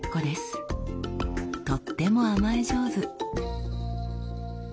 とっても甘え上手。